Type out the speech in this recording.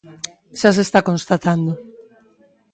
Xa se está constatando.